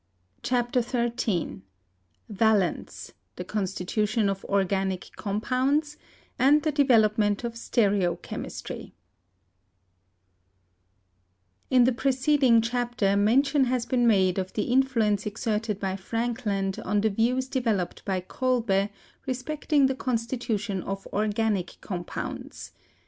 CHAPTER XIII VALENCE, THE CONSTITUTION OF ORGANIC COMPOUNDS, AND THE DEVELOPMENT OF STEREO CHEMISTRY In the preceding chapter mention has been made of the influence exerted by Frankland on the views developed by Kolbe respecting the constitution of organic compounds.